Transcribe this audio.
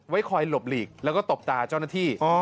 คอยหลบหลีกแล้วก็ตบตาเจ้าหน้าที่